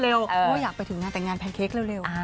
เพราะว่าอยากไปถึงงานแต่งงานแพนเค้กเร็ว